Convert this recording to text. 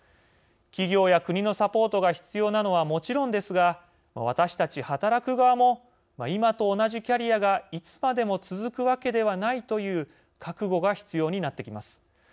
企業や国のサポートが必要なのはもちろんですが私たち働く側も今と同じキャリアがいつまでも続くわけではないという覚悟が必要になってきます。